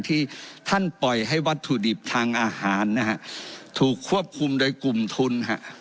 ที่ท่านปล่อยให้วัตถุดิบทางอาหารนะฮะถูกควบคุมโดยกลุ่มทุนฮะ